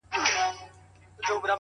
صادق زړه کمې پښېمانۍ لري؛